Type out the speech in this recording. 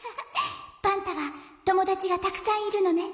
「パンタはともだちがたくさんいるのね。